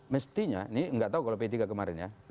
mestinya ini nggak tahu kalau p tiga kemarin ya